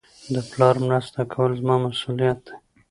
د پلار مرسته کول زما مسئولیت دئ.